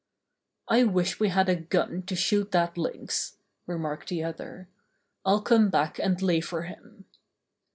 "I wish we had a gun to shoot that Lynx," remarked the other. "I'll come back and lay for him."